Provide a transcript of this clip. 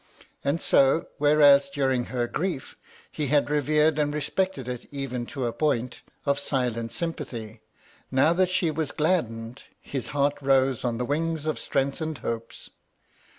And so, whereas during her grief, he had revered and respected it even to a point of silent sympathy, now that she was gladdened, his heart rose on the wings of strengthened hopes.